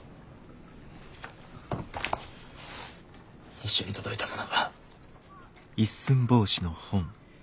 一緒に届いたものだ。